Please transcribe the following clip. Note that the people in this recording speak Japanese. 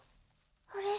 あれ？